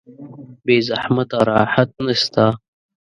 بې زحمته راحت نشته.